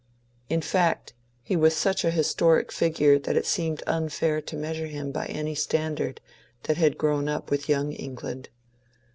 Li fact, he was such a historic figure that it seemed unfair to measure him by any standard that had grown up with Young England.